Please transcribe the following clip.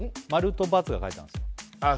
○と×が書いてあるんですよああ